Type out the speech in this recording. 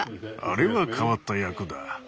あれは変わった役だ。